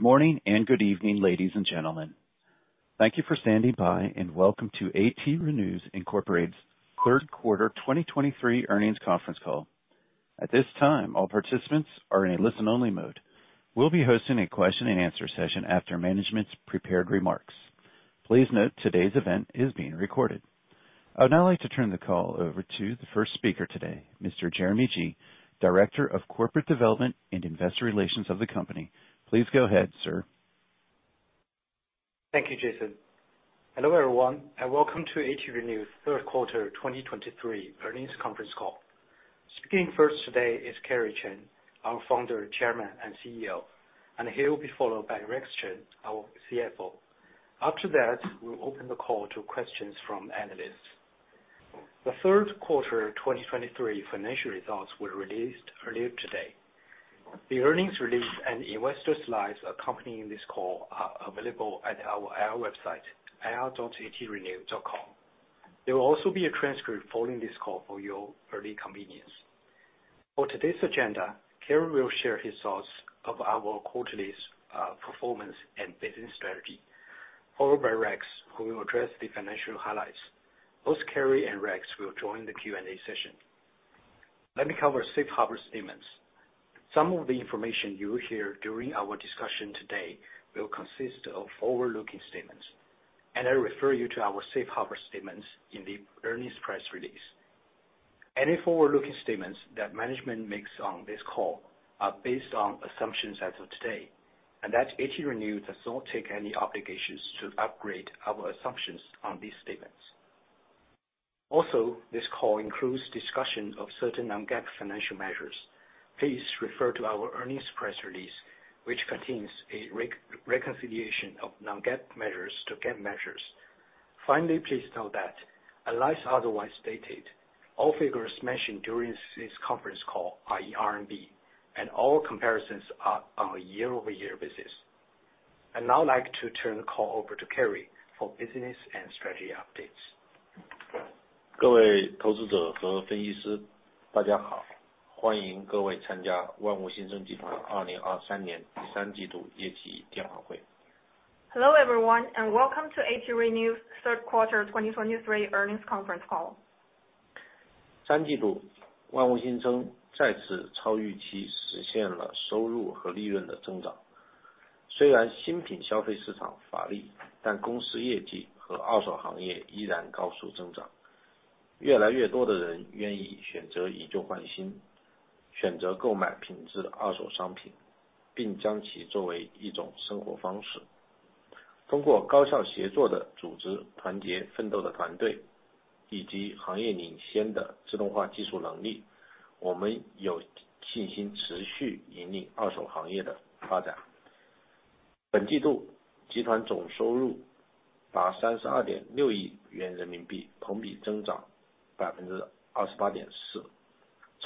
morning and good evening, ladies and gentlemen. Thank you for standing by, and welcome to ATRenew Inc.'s Third Quarter 2023 Earnings Conference Call. At this time, all participants are in a listen-only mode. We'll be hosting a question and answer session after management's prepared remarks. Please note today's event is being recorded. I would now like to turn the call over to the first speaker today, Mr. Jeremy Ji, Director of Corporate Development and Investor Relations of the company. Please go ahead, sir. Thank you, Jason. Hello, everyone, and welcome to ATRenew's third quarter 2023 Earnings Conference Call. Speaking first today is Kerry Chen, our Founder, Chairman, and CEO, and he will be followed by Rex Chen, our CFO. After that, we'll open the call to questions from analysts. The third quarter of 2023 financial results were released earlier today. The earnings release and investor slides accompanying this call are available at our IR website, ir.atrenew.com. There will also be a transcript following this call for your early convenience. For today's agenda, Kerry will share his thoughts of our quarterly's performance and business strategy, followed by Rex, who will address the financial highlights. Both Kerry and Rex will join the Q&A session. Let me cover safe harbor statements. Some of the information you will hear during our discussion today will consist of forward-looking statements, and I refer you to our safe harbor statements in the earnings press release. Any forward-looking statements that management makes on this call are based on assumptions as of today, and that ATRenew does not take any obligations to upgrade our assumptions on these statements. Also, this call includes discussion of certain non-GAAP financial measures. Please refer to our earnings press release, which contains a reconciliation of non-GAAP measures to GAAP measures. Finally, please note that, unless otherwise stated, all figures mentioned during this conference call are in RMB, and all comparisons are on a year-over-year basis. I'd now like to turn the call over to Kerry for business and strategy updates. Hello, everyone, and welcome to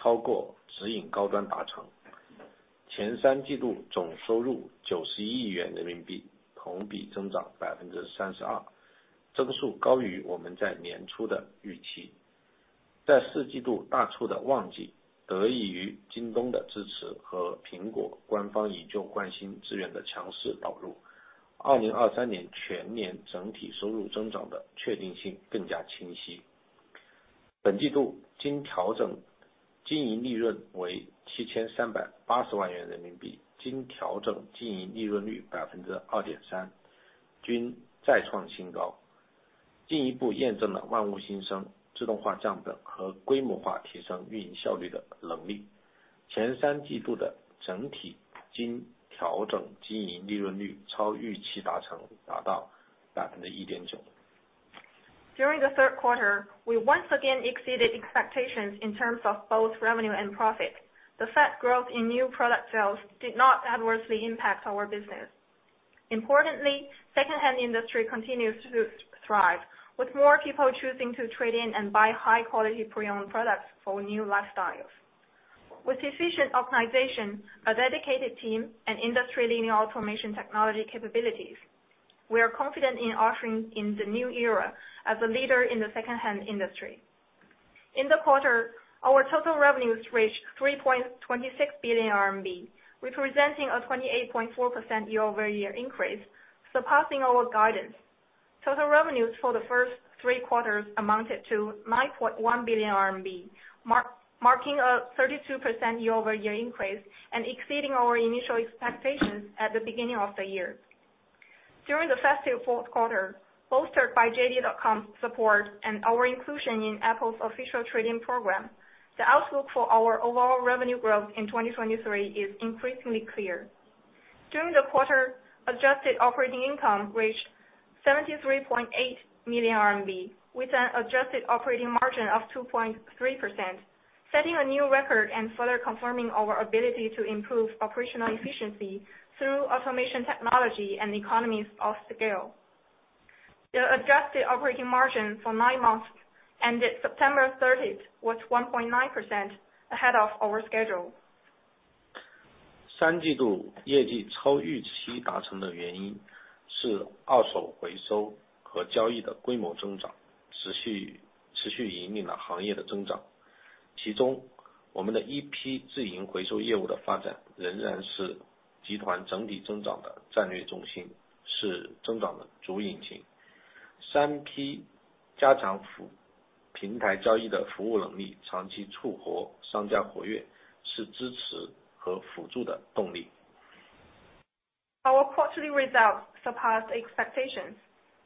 ATRenew's third quarter 2023 Earnings Conference Call.... Our quarterly results surpassed expectations.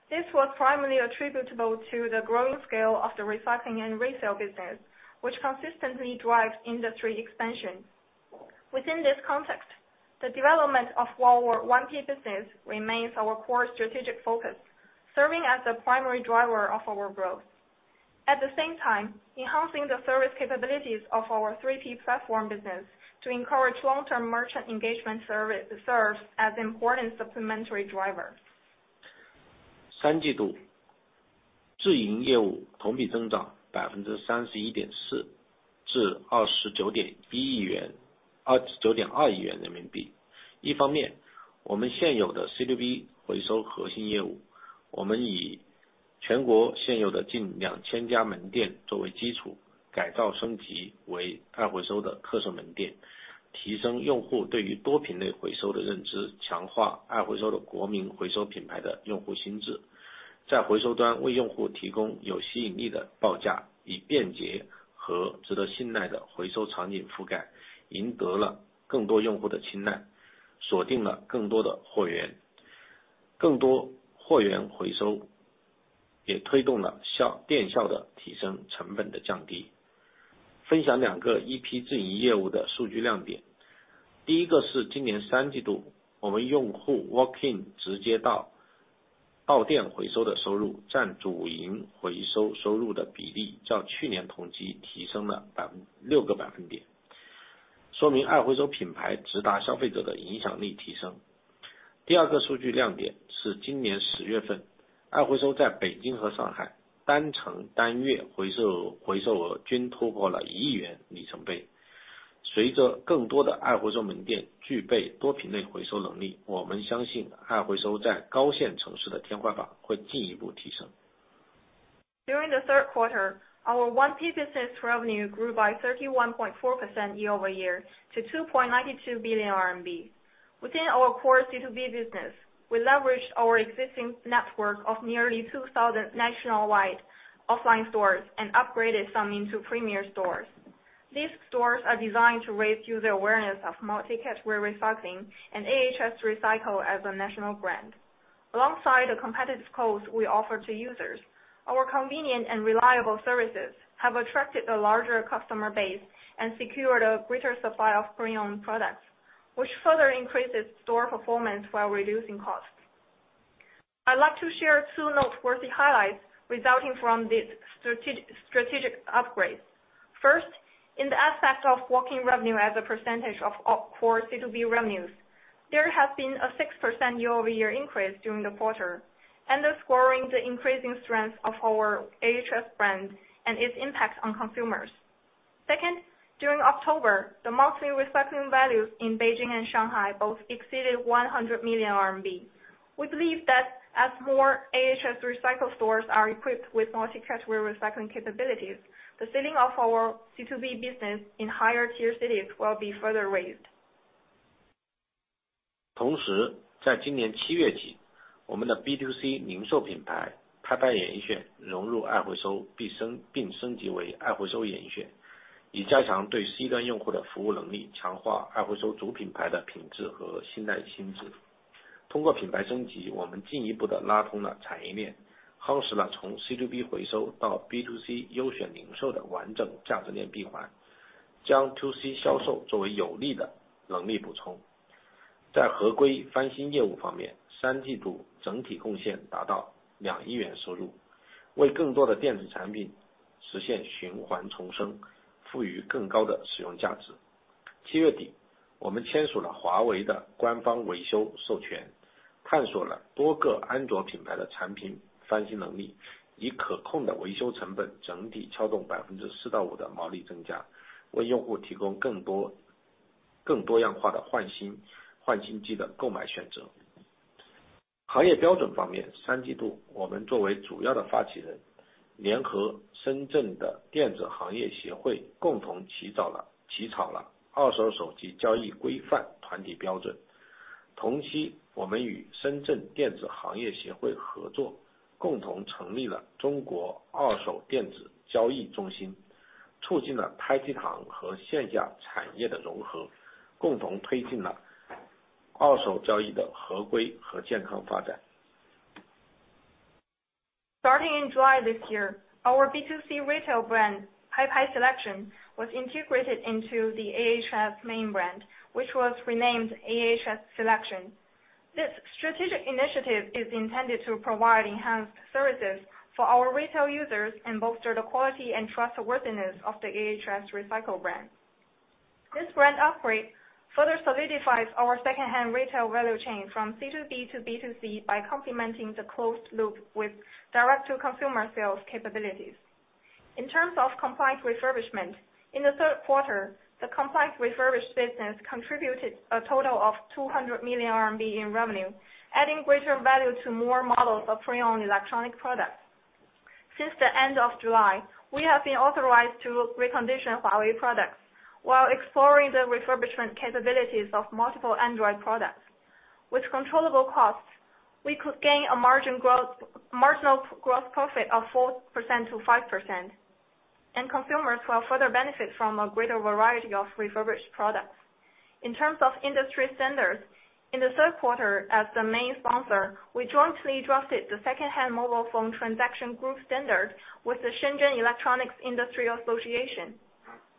This was primarily attributable to the growing scale of the recycling and resale business, which consistently drives industry expansion. Within this context, the development of our 1P business remains our core strategic focus, serving as the primary driver of our growth. At the same time, enhancing the service capabilities of our 3P platform business to encourage long-term merchant engagement service, serves as important supplementary driver. 数据亮点。第一个是，今年第三季度，我们用户walk in直接到店回收的收入占主营回收收入的比例，较去年同期提升了6个百分点，说明爱回收品牌直达消费者的影响力提升。第二个数据亮点是，今年10月份，爱回收在北京和上海单城单月回收额均突破了1亿元里程碑。随着更多的爱回收门店具备多品类回收能力，我们相信爱回收在一线城市的天花板会进一步提升。During the third quarter, our 1P business revenue grew by 31.4% year-over-year to 2.92 billion RMB. Within our core C2B business, we leverage our existing network of nearly 2,000 nationwide offline stores and upgraded some into premier stores. These stores are designed to raise user awareness of multi-category recycling and AHS Recycle as a national brand. Alongside the competitive costs we offer to users, our convenient and reliable services have attracted a larger customer base and secured a greater supply of pre-owned products, which further increases store performance while reducing costs. I'd like to share two noteworthy highlights resulting from this strategic upgrade. First, in the aspect of walk-in revenue as a percentage of core C2B revenues, there has been a 6% year-over-year increase during the quarter, underscoring the increasing strength of our AHS brand and its impact on consumers. Second, during October, the monthly recycling values in Beijing and Shanghai both exceeded 100 million RMB. We believe that as more AHS Recycle stores are equipped with multi-category recycling capabilities, the celling of our C2B business in higher tier cities will be further raised. 200 Starting in July this year, our B2C retail brand, Paipai Selection, was integrated into the AHS main brand, which was renamed AHS Selection. This strategic initiative is intended to provide enhanced services for our retail users and bolster the quality and trustworthiness of the AHS Recycle brand. This brand upgrade further solidifies our secondhand retail value chain from C2B to B2C by complementing the closed loop with direct-to-consumer sales capabilities. In terms of compliance refurbishment, in the third quarter, the compliance refurbished business contributed a total of 200 million RMB in revenue, adding greater value to more models of pre-owned electronic products. Since the end of July, we have been authorized to recondition Huawei products while exploring the refurbishment capabilities of multiple Android products. With controllable costs, we could gain a margin growth, marginal gross profit of 4%-5%, and consumers will further benefit from a greater variety of refurbished products. In terms of industry standards, in the third quarter, as the main sponsor, we jointly drafted the secondhand mobile phone transaction group standard with the Shenzhen Electronics Industry Association.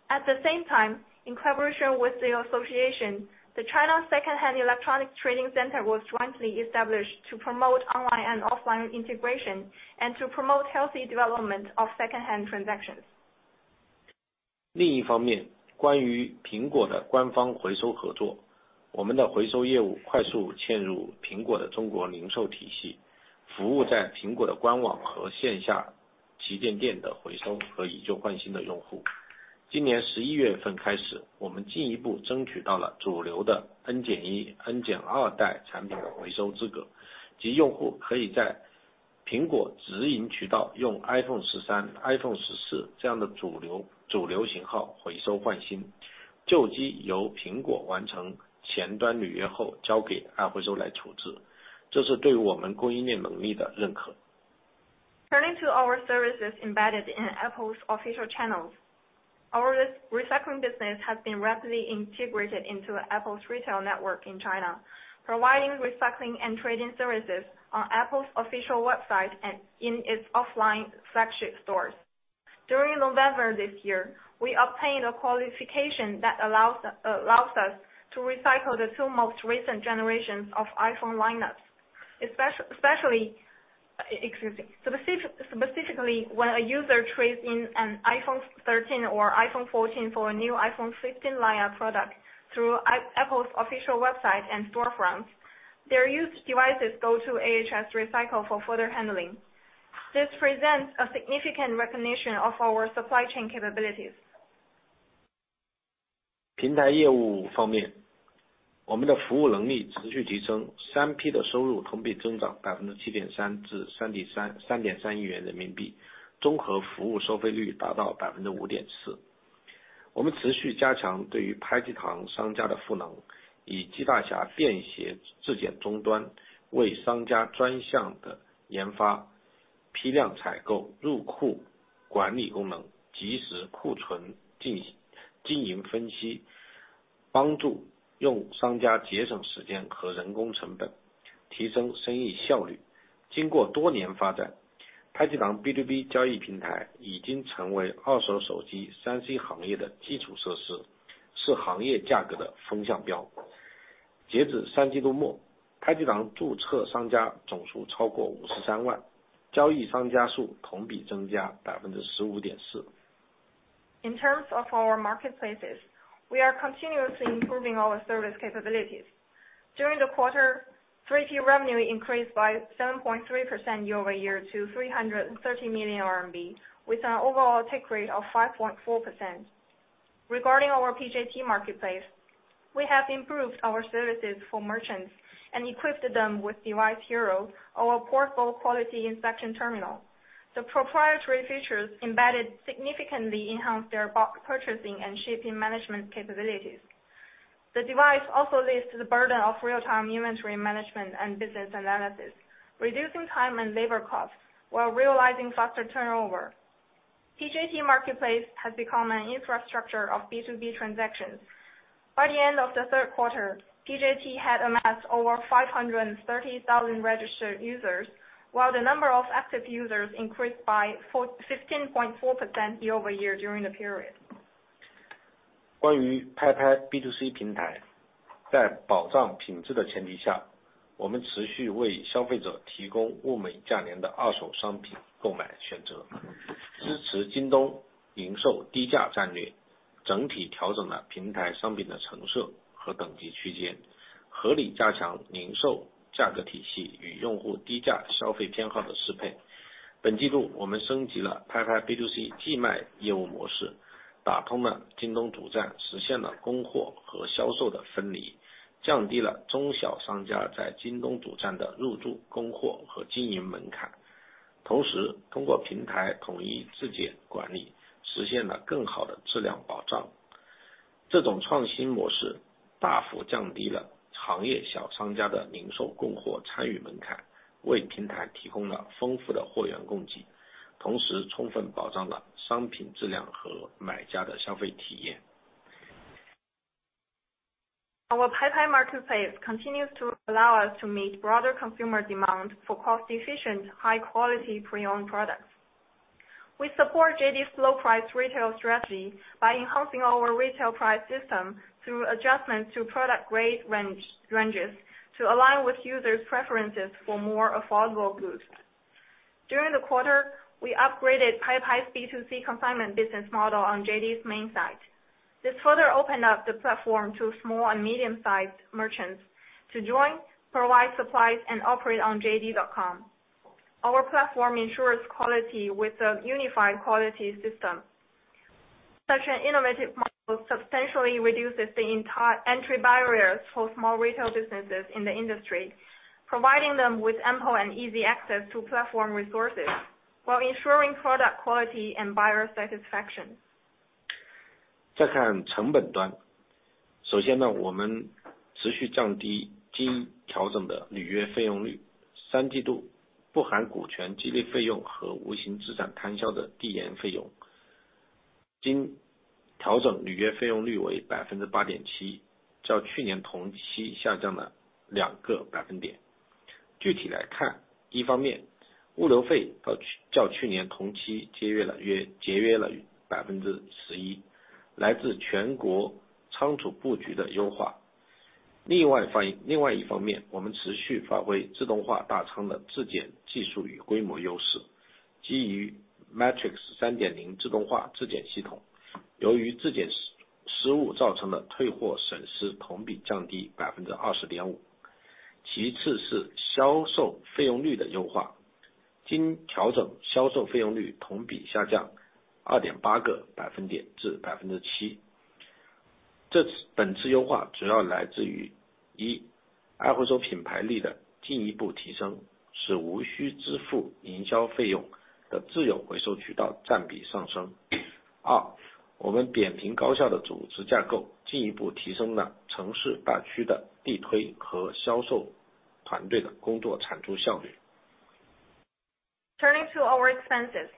At the same time, in collaboration with the association, the China Secondhand Electronic Trading Center was jointly established to promote online and offline integration and to promote healthy development of secondhand transactions. 另一方面，关于苹果的官方回收合作，我们的回收业务快速嵌入苹果的中国零售体系，服务于苹果的官网和线下旗舰店的回收和以旧换新的用户。今年十一月份开始，我们进一步争取到了主流的N-1、N-2代产品的回收资格，即用户可以在苹果直营渠道用iPhone 13、iPhone 14这样的主流型号回收换新，旧机由苹果完成前端预约后交给爱回收来处置，这是对我们供应链能力的认可。Turning to our services embedded in Apple's official channels. Our recycling business has been rapidly integrated into Apple's retail network in China, providing recycling and trading services on Apple's official website and in its offline flagship stores. During November this year, we obtained a qualification that allows us to recycle the two most recent generations of iPhone lineups, specifically, when a user trades in an iPhone 13 or iPhone 14 for a new iPhone 15 lineup product through Apple's official website and storefronts, their used devices go to AHS Recycle for further handling. This presents a significant recognition of our supply chain capabilities. In terms of our marketplaces, we are continuously improving our service capabilities. During the quarter, 3P revenue increased by 7.3% year-over-year to 330 million RMB, with an overall take rate of 5.4%. Regarding our PJT Marketplace, we have improved our services for merchants and equipped them with Device Hero, our portable quality inspection terminal. The proprietary features embedded significantly enhance their box purchasing and shipping management capabilities. The device also lifts the burden of real-time inventory management and business analysis, reducing time and labor costs while realizing faster turnover. PJT Marketplace has become an infrastructure of B2B transactions. By the end of the third quarter, PJT had amassed over 530,000 registered users, while the number of active users increased by 41.5% year-over-year during the period. Our Paipai Marketplace continues to allow us to meet broader consumer demand for cost-efficient, high-quality, pre-owned products. We support JD's low price retail strategy by enhancing our retail price system through adjustments to product grade range, ranges to align with users' preferences for more affordable goods. During the quarter, we upgraded Paipai's B2C consignment business model on JD's main site.... This further opened up the platform to small and medium-sized merchants to join, provide supplies, and operate on JD.com. Our platform ensures quality with a unified quality system. Such an innovative model substantially reduces the entire entry barriers for small retail businesses in the industry, providing them with ample and easy access to platform resources, while ensuring product quality and buyer satisfaction. Turning to our expenses.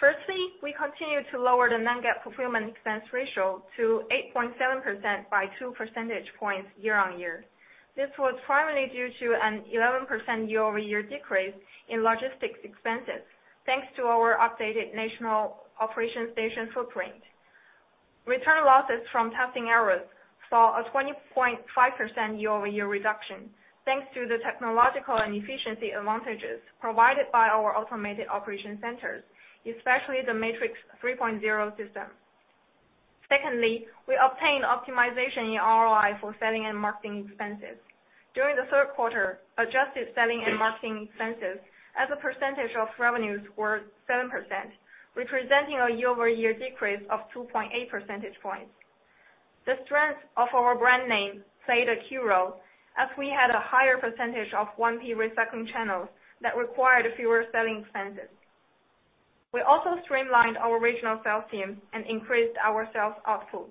Firstly, we continue to lower the non-GAAP fulfillment expense ratio to 8.7% by 2 percentage points year-on-year. This was primarily due to an 11% year-over-year decrease in logistics expenses, thanks to our updated national operation station footprint. Return losses from testing errors saw a 20.5% year-over-year reduction, thanks to the technological and efficiency advantages provided by our automated operation centers, especially the Matrix 3.0 system. Secondly, we obtained optimization in ROI for selling and marketing expenses. During the third quarter, adjusted selling and marketing expenses as a percentage of revenues were 7%, representing a year-over-year decrease of 2.8 percentage points. The strength of our brand name played a key role as we had a higher percentage of 1P recycling channels that required fewer selling expenses. We also streamlined our regional sales team and increased our sales output.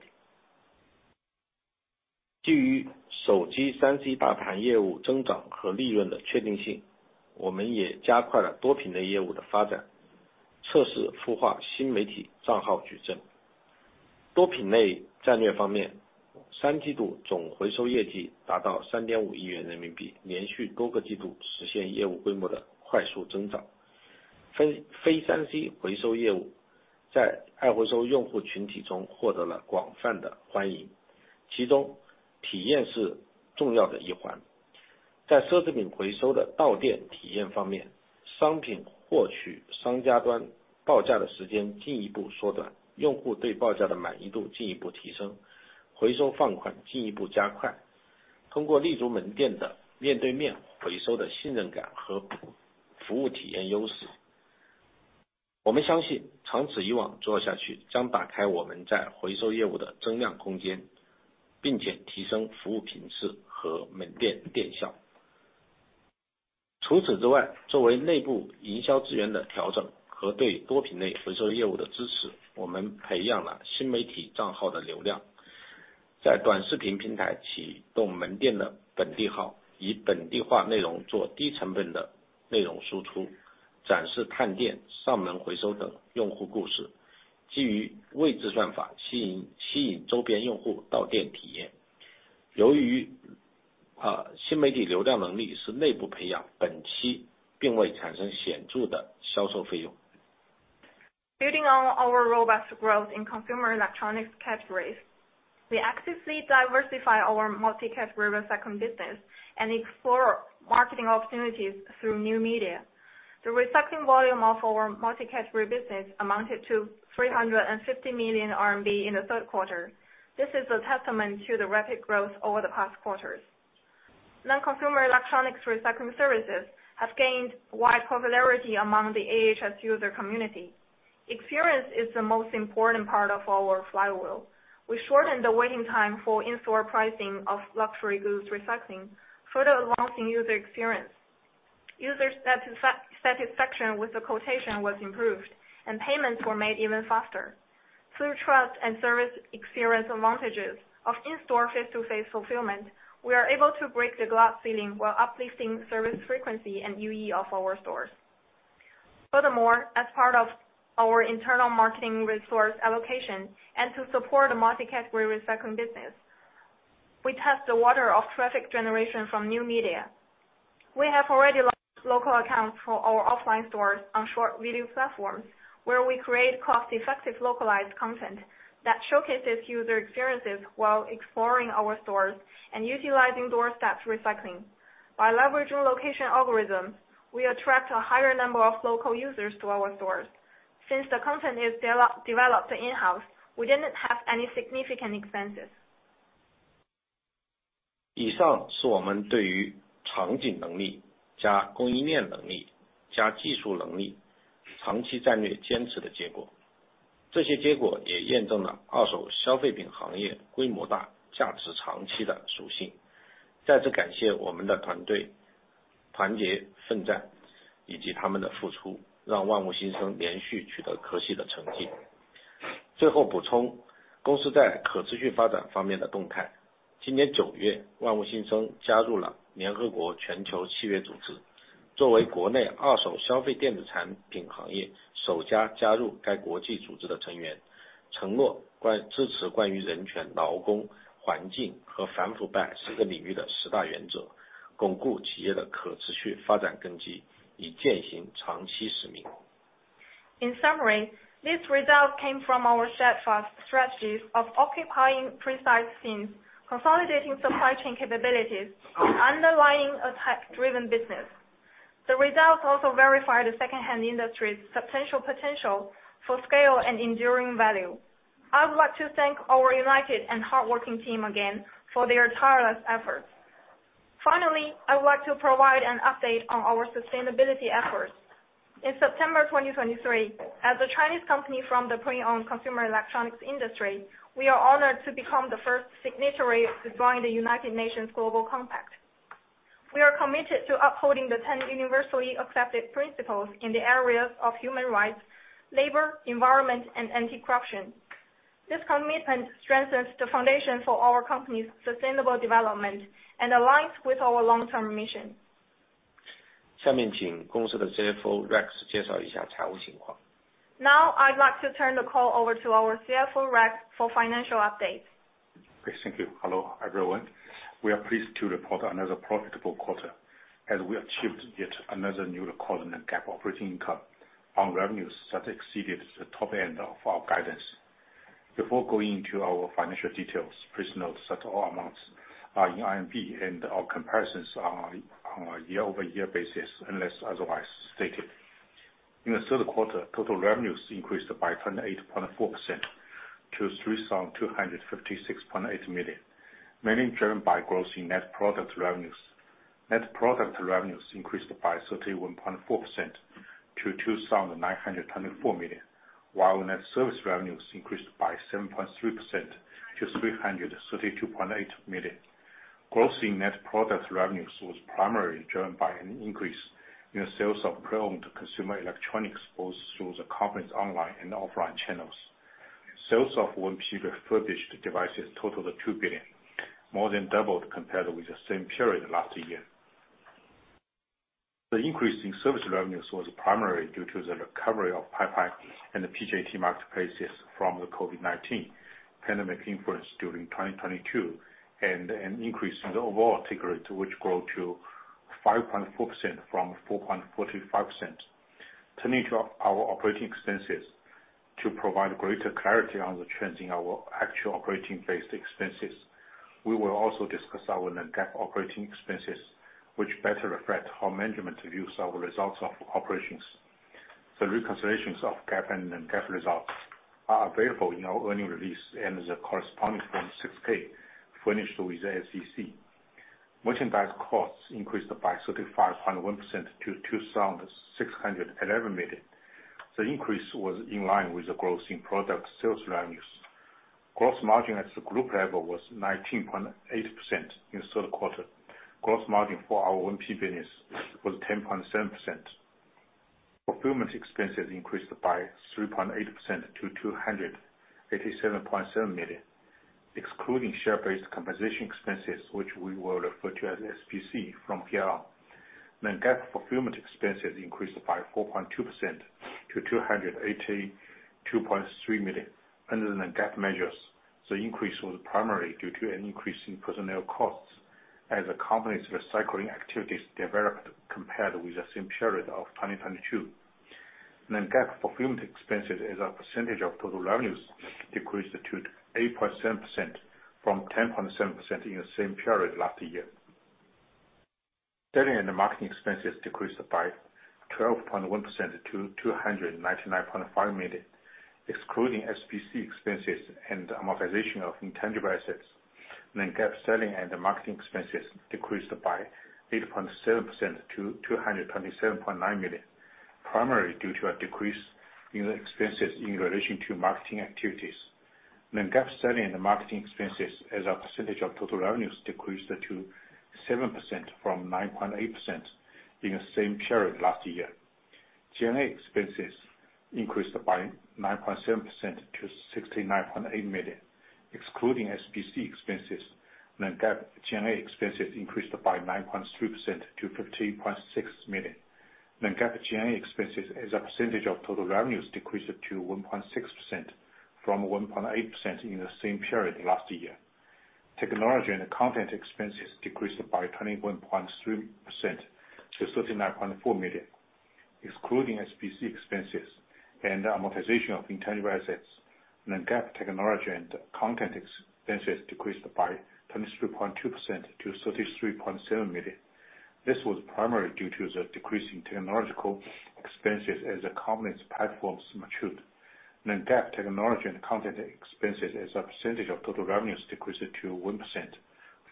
Building on our robust growth in consumer electronics categories, we actively diversify our multi-category recycling business and explore marketing opportunities through new media. The recycling volume of our multi-category business amounted to 350 million RMB in the third quarter. This is a testament to the rapid growth over the past quarters. Non-consumer electronics recycling services have gained wide popularity among the AHS user community. Experience is the most important part of our flywheel. We shortened the waiting time for in-store pricing of luxury goods recycling, further enhancing user experience. User satisfaction with the quotation was improved, and payments were made even faster. Through trust and service experience advantages of in-store face-to-face fulfillment, we are able to break the glass ceiling while uplifting service frequency and UE of our stores. Furthermore, as part of our internal marketing resource allocation and to support a multi-category recycling business, we test the water of traffic generation from new media. We have already launched local accounts for our offline stores on short video platforms, where we create cost-effective, localized content that showcases user experiences while exploring our stores and utilizing doorsteps recycling. By leveraging location algorithms, we attract a higher number of local users to our stores. Since the content is developed in-house, we didn't have any significant expenses. In summary, this result came from our steadfast strategies of occupying precise scenes, consolidating supply chain capabilities, and aligning a tech-driven business. The results also verify the second-hand industry's substantial potential for scale and enduring value. I would like to thank our united and hardworking team again for their tireless efforts. Finally, I would like to provide an update on our sustainability efforts. In September 2023, as a Chinese company from the pre-owned consumer electronics industry, we are honored to become the first signatory to join the United Nations Global Compact. We are committed to upholding the ten universally accepted principles in the areas of human rights, labor, environment, and anti-corruption. This commitment strengthens the foundation for our company's sustainable development and aligns with our long-term mission. 下面请公司的CFO Rex Chen介绍一下财务情况。Now, I'd like to turn the call over to our CFO, Rex, for financial update. Great, thank you. Hello, everyone. We are pleased to report another profitable quarter as we achieved yet another new record in GAAP operating income on revenues that exceeded the top end of our guidance. Before going into our financial details, please note that all amounts are in RMB and our comparisons are on a year-over-year basis, unless otherwise stated. In the third quarter, total revenues increased by 28.4% to 3,256.8 million, mainly driven by growth in net product revenues. Net product revenues increased by 31.4% to 2,924 million, while net service revenues increased by 7.3% to 332.8 million. Growth in net product revenues was primarily driven by an increase in the sales of pre-owned consumer electronics, both through the company's online and offline channels. Sales of 1P refurbished devices totaled 2 billion, more than doubled compared with the same period last year. The increase in service revenues was primarily due to the recovery of Paipai and the PJT marketplaces from the COVID-19 pandemic influence during 2022, and an increase in the overall take rate, which grew to 5.4% from 4.45%. Turning to our operating expenses, to provide greater clarity on the trends in our actual operating-based expenses, we will also discuss our non-GAAP operating expenses, which better reflect how management views our results of operations. The reconciliations of GAAP and non-GAAP results are available in our earnings release and the corresponding Form 6-K furnished with the SEC. Merchandise costs increased by 35.1% to 2,611 million. The increase was in line with the growth in product sales revenues. Gross margin at the group level was 19.8% in the third quarter. Gross margin for our 1P business was 10.7%. Fulfillment expenses increased by 3.8% to 287.7 million, excluding share-based compensation expenses, which we will refer to as SBC from here on. Non-GAAP fulfillment expenses increased by 4.2% to 282.3 million under the Non-GAAP measures. The increase was primarily due to an increase in personnel costs as the company's recycling activities developed compared with the same period of 2022. Non-GAAP fulfillment expenses as a percentage of total revenues decreased to 8.7% from 10.7% in the same period last year. Selling and marketing expenses decreased by 12.1% to 299.5 million, excluding SBC expenses and amortization of intangible assets. Non-GAAP selling and marketing expenses decreased by 8.7% to 227.9 million, primarily due to a decrease in the expenses in relation to marketing activities. Non-GAAP selling and marketing expenses as a percentage of total revenues decreased to 7% from 9.8% in the same period last year. G&A expenses increased by 9.7% to 69.8 million. Excluding SBC expenses, Non-GAAP G&A expenses increased by 9.3% to 50.6 million. Non-GAAP G&A expenses as a percentage of total revenues decreased to 1.6% from 1.8% in the same period last year. Technology and content expenses decreased by 21.3% to 39.4 million, excluding SBC expenses and amortization of intangible assets. Non-GAAP technology and content expenses decreased by 23.2% to 33.7 million.... This was primarily due to the decrease in technological expenses as the company's platforms matured. Non-GAAP technology and content expenses as a percentage of total revenues decreased to 1%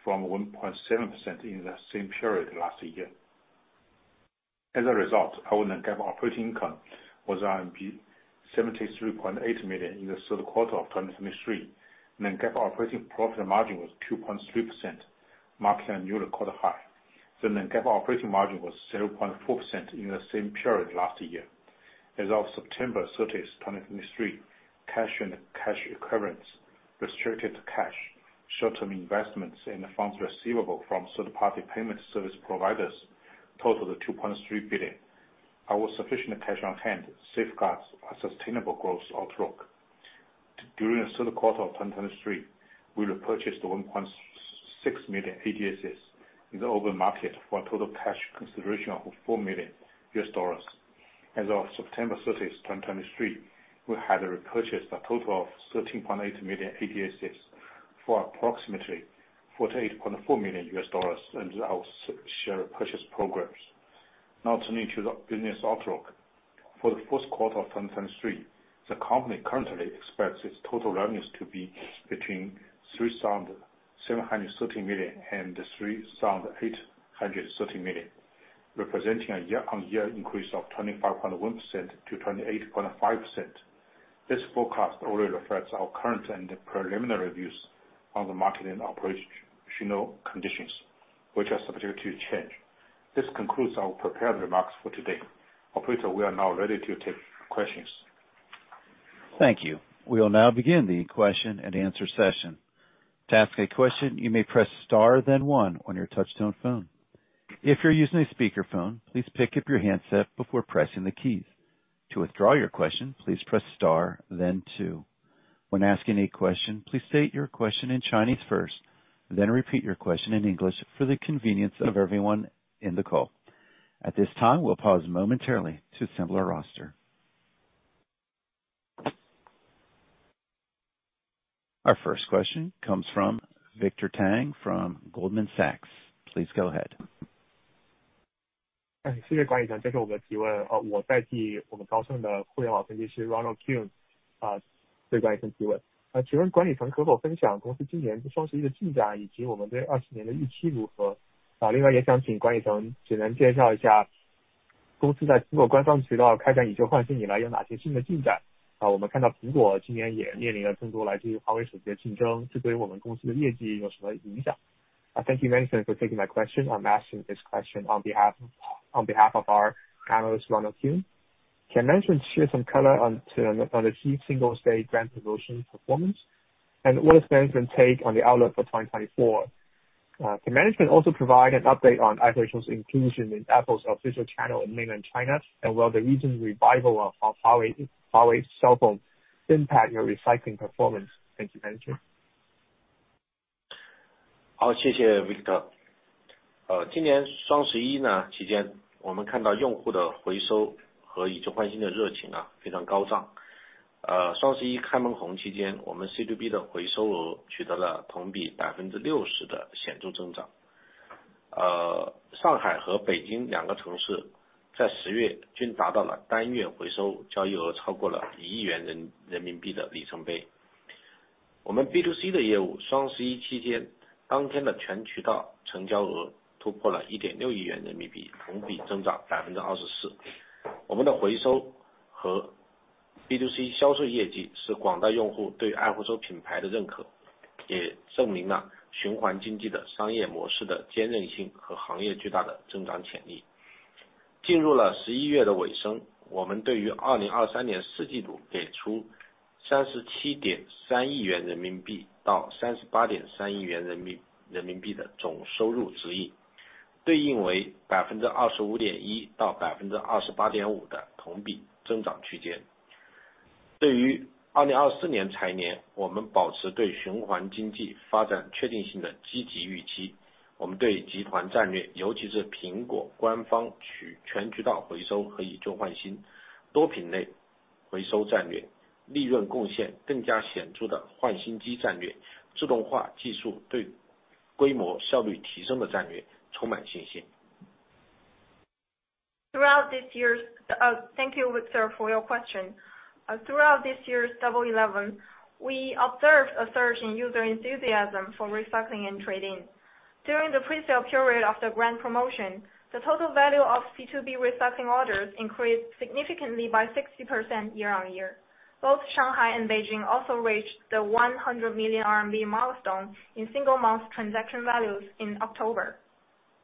from 1.7% in the same period last year. As a result, our Non-GAAP operating income was RMB 73.8 million in the third quarter of 2023. Non-GAAP operating profit margin was 2.3%, marking a new record high. The Non-GAAP operating margin was 0.4% in the same period last year. As of September 30, 2023, cash and cash equivalents, restricted cash, short-term investments in the funds receivable from third-party payment service providers totaled 2.3 billion. Our sufficient cash on hand safeguards a sustainable growth outlook. During the third quarter of 2023, we repurchased 1.6 million ADSs in the open market for a total cash consideration of $4 million. As of September 30, 2023, we had repurchased a total of 13.8 million ADSs for approximately $48.4 million under our share purchase programs. Now turning to the business outlook. For the fourth quarter of 2023, the company currently expects its total revenues to be between 3,730 million and 3,830 million, representing a year-on-year increase of 25.1%-28.5%. This forecast only reflects our current and preliminary views on the market and operational conditions, which are subject to change. This concludes our prepared remarks for today. Operator, we are now ready to take questions. Thank you. We will now begin the question and answer session. To ask a question, you may press star, then one on your touchtone phone. If you're using a speakerphone, please pick up your handset before pressing the keys. To withdraw your question, please press star then two. When asking a question, please state your question in Chinese first, then repeat your question in English for the convenience of everyone in the call. At this time, we'll pause momentarily to assemble our roster. Our first question comes from Victor Tang from Goldman Sachs. Please go ahead. Thank you, Victor, for taking my question. I'm asking this question on behalf, on behalf of our analyst, Ronald Keung. Can management share some color on the key Singles' Day brand promotion performance? And what is management take on the outlook for 2024? Can management also provide an update on iRecycle's inclusion in Apple's official channel in mainland China, and will the recent revival of Huawei's cell phone impact your recycling performance? Thank you, management. 好，谢谢 Victor。今年双十一期间，我们看到用户的回收和以旧换新的热情，非常高涨。双十一开门红期间，我们 C2B 的回收额取得了同比60%的显著增长。上海和北京两个城市在十月均达到了单月回收交易额超过了 RMB 1 亿元的里程碑。我们 B2C 的业务，双十一期间，当天的全渠道成交额突破了 RMB 1.6 亿元，同比增长24%。我们的回收和 B2C 销售业绩，是广大用户对爱回收品牌的认可，也证明了循环经济的商业模式的韧性和行业巨大的增长潜力。进入了十一月的尾声，我们对于 2023 年第四季度给出 RMB 37.3 亿元- RMB 38.3 亿元的总收入指引，对应为 25.1%-28.5% 的同比增长区间。对于 2024 年财年，我们保持对循环经济发展确定性的积极预期。我们对集团战略，尤其是苹果官方全渠道回收和以旧换新，多品类回收战略，利润贡献更加显著的换新机战略，自动化技术对规模效率提升的战略充满信心。Thank you, Victor, for your question. Throughout this year's Double Eleven, we observed a surge in user enthusiasm for recycling and trading. During the pre-sale period of the brand promotion, the total value of C2B recycling orders increased significantly by 60% year-on-year. Both Shanghai and Beijing also reached the 100 million RMB milestone in single-month transaction values in October.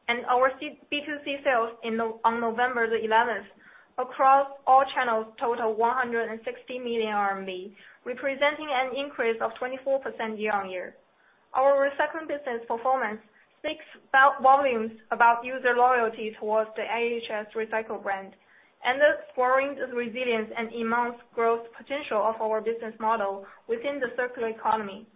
Our B2C sales on November the eleventh, across all channels, total 160 million RMB, representing an increase of 24% year-on-year. Our recycling business performance speaks volumes about user loyalty towards the AHS Recycle brand, and thus growing the resilience and immense growth potential of our business model within the circular economy.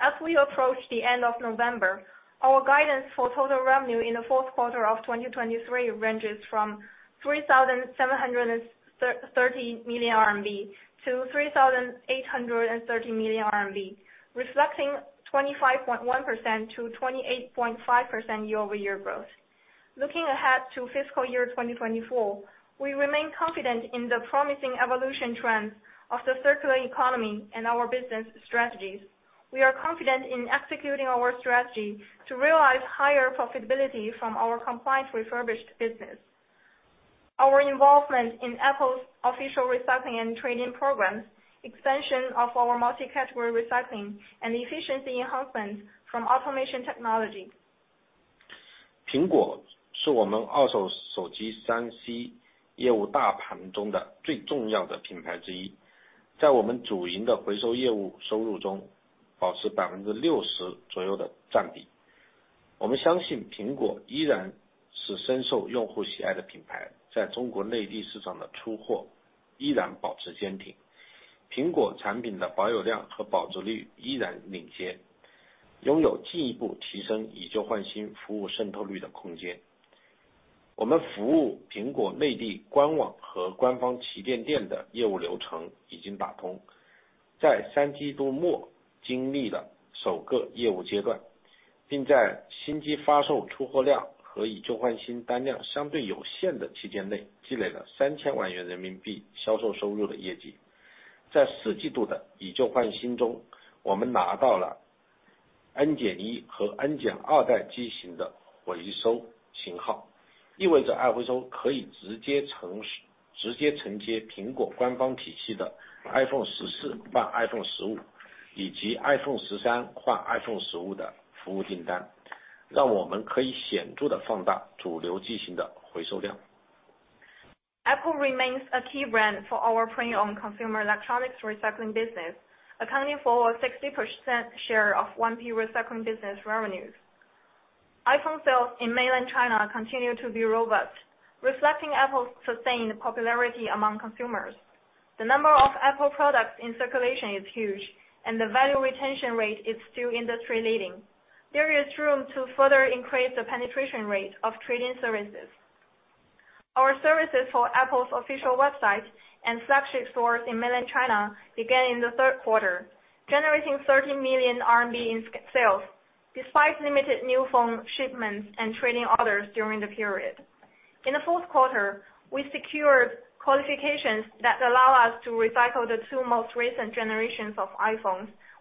As we approach the end of November, our guidance for total revenue in the fourth quarter of 2023 ranges from 3,730 million RMB to 3,830 million RMB, reflecting 25.1%-28.5% year-over-year growth. Looking ahead to fiscal year 2024, we remain confident in the promising evolution trends of the circular economy and our business strategies. We are confident in executing our strategy to realize higher profitability from our compliance refurbished business. Our involvement in Apple's official recycling and trading programs, expansion of our multi-category recycling, and efficiency enhancements from automation technology.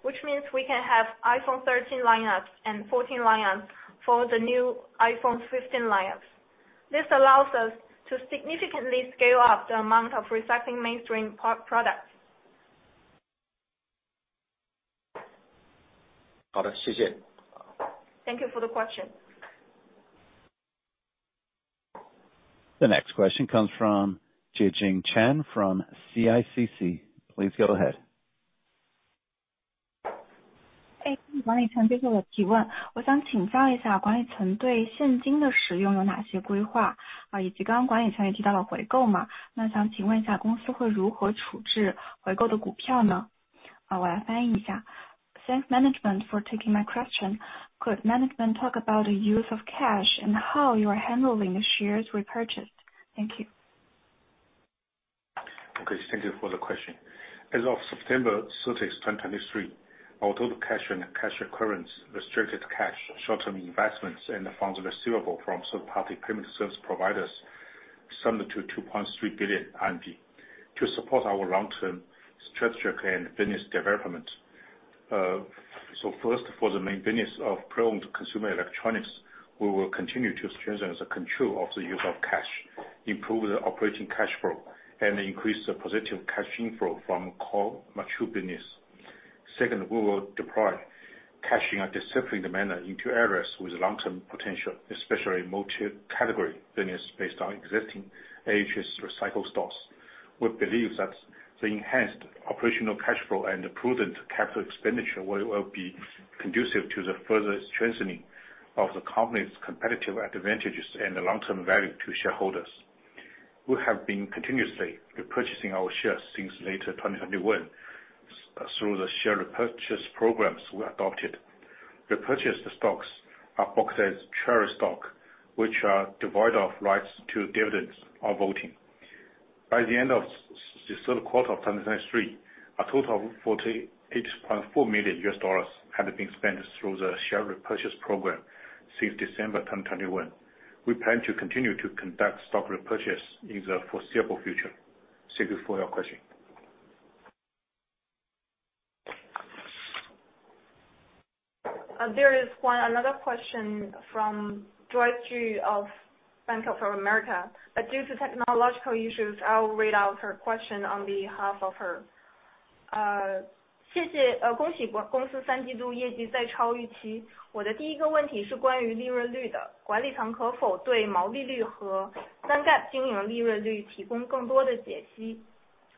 Thank you for the question. The next question comes from Jiajing Chen from CICC. Please go ahead. Thanks, management, for taking my question. Could management talk about the use of cash and how you are handling the shares repurchased? Thank you. Okay, thank you for the question. As of September 30, 2023, our total cash and cash equivalents, restricted cash, short-term investments in the funds receivable from third-party payment service providers summed to 2.3 billion RMB to support our long-term strategic and business development. So first, for the maintenance of pre-owned consumer electronics, we will continue to strengthen the control of the use of cash, improve the operating cash flow, and increase the positive cash inflow from core mature business. Second, we will deploy cash in a disciplined manner into areas with long-term potential, especially multi-category business based on existing AHS Recycle stocks. We believe that the enhanced operational cash flow and prudent capital expenditure will be conducive to the further strengthening of the company's competitive advantages and the long-term value to shareholders. We have been continuously repurchasing our shares since late 2021. Through the share repurchase programs we adopted. The purchased stocks are booked as treasury stock, which are devoid of rights to dividends or voting. By the end of the third quarter of 2023, a total of $48.4 million had been spent through the share repurchase program since December 2021. We plan to continue to conduct stock repurchase in the foreseeable future. Thank you for your question. There is one another question from Joyce Ju of Bank of America, but due to technological issues, I'll read out her question on behalf of her.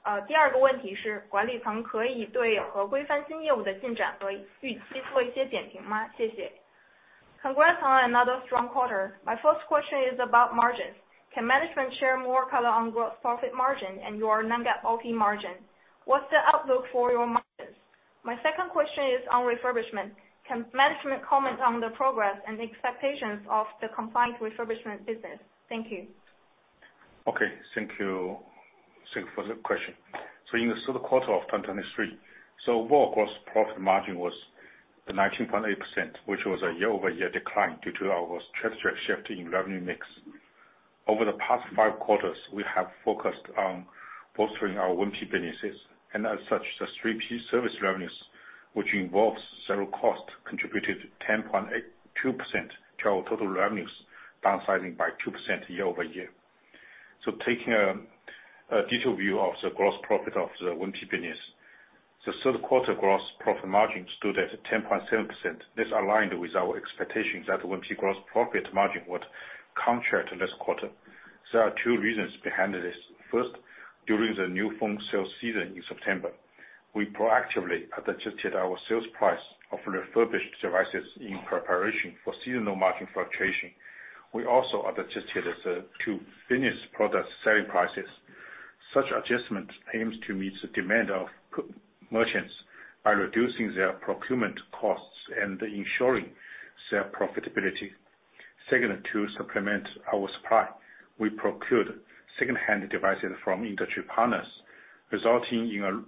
Congrats on another strong quarter. My first question is about margins. Can management share more color on gross profit margin and your non-GAAP operating margin? What's the outlook for your margins? My second question is on refurbishment. Can management comment on the progress and expectations of the compliant refurbishment business? Thank you.... Okay, thank you. Thank you for the question. So in the third quarter of 2023, so overall gross profit margin was the 19.8%, which was a year-over-year decline due to our strategic shift in revenue mix. Over the past 5 quarters, we have focused on bolstering our 1P businesses, and as such, the 3P service revenues, which involves several costs, contributed 10.82% to our total revenues, downsizing by 2% year-over-year. So taking a detailed view of the gross profit of the 1P business. The third quarter gross profit margin stood at 10.7%. This aligned with our expectations that 1P gross profit margin would contract in this quarter. There are two reasons behind this. First, during the new phone sales season in September, we proactively adjusted our sales price of refurbished devices in preparation for seasonal market fluctuation. We also adjusted as to finished product selling prices. Such adjustment aims to meet the demand of 3P merchants by reducing their procurement costs and ensuring their profitability. Second, to supplement our supply, we procured secondhand devices from industry partners, resulting in a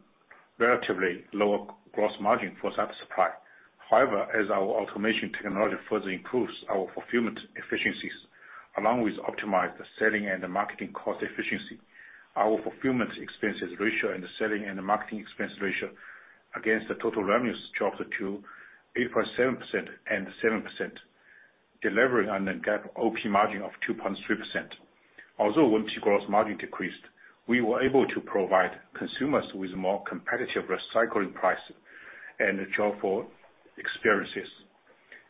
relatively lower gross margin for such supply. However, as our automation technology further improves our fulfillment efficiencies, along with optimized selling and marketing cost efficiency, our fulfillment expenses ratio and the selling and the marketing expense ratio against the total revenues dropped to 8.7% and 7%, delivering on the GAAP OP margin of 2.3%. Although overall gross margin decreased, we were able to provide consumers with more competitive recycling prices and joyful experiences.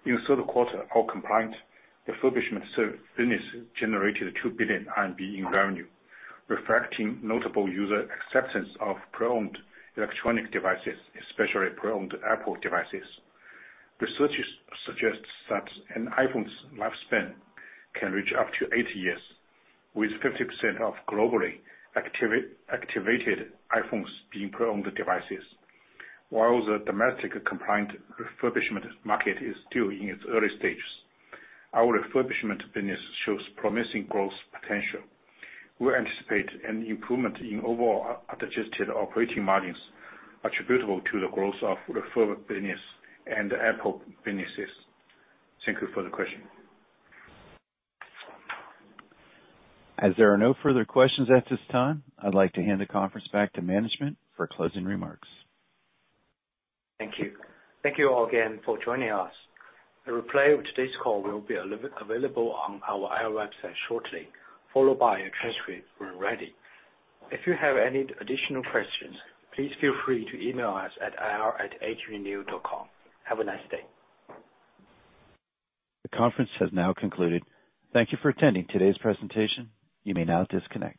In the third quarter, our compliant refurbishment service business generated 2 billion RMB in revenue, reflecting notable user acceptance of pre-owned electronic devices, especially pre-owned Apple devices. Research suggests that an iPhone's lifespan can reach up to eight years, with 50% of globally activated iPhones being pre-owned devices. While the domestic compliant refurbishment market is still in its early stages, our refurbishment business shows promising growth potential. We anticipate an improvement in overall adjusted operating margins attributable to the growth of refurb business and Apple businesses. Thank you for the question. As there are no further questions at this time, I'd like to hand the conference back to management for closing remarks. Thank you. Thank you all again for joining us. A replay of today's call will be available on our IR website shortly, followed by a transcript when ready. If you have any additional questions, please feel free to email us at ir@atrenew.com. Have a nice day. The conference has now concluded. Thank you for attending today's presentation. You may now disconnect.